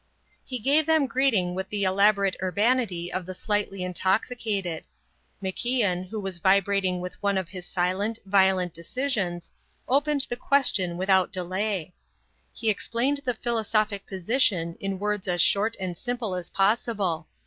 He gave them greeting with the elaborate urbanity of the slightly intoxicated. MacIan, who was vibrating with one of his silent, violent decisions, opened the question without delay. He explained the philosophic position in words as short and simple as possible.